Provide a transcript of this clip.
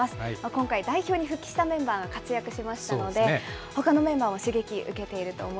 今回、代表に復帰したメンバーが活躍しましたので、ほかのメンバそうでしょうね。